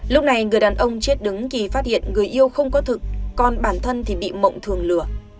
lúc này người đàn ông chết đứng thì phát hiện người yêu không có thực còn bản thân thì bị mộng thường lừa